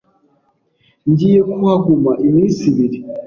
Ngiye kuhaguma iminsi ibiri